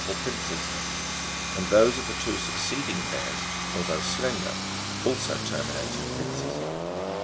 or pincers ; and those of the two succeeding pairs, although slender, also terminate in pincers.